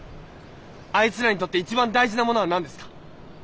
あいつらにとって一番大事なものは何ですか？